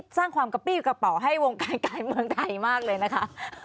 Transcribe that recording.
สร้างความกระปิ้วกระเป๋าให้วงการการเมืองไทยมากเลยนะคะ